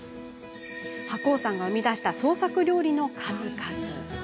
白央さんが生み出した創作料理の数々。